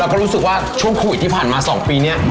เราก็รู้สึกว่าช่วงครูอิทที่ผ่านมาสองปีเนี้ย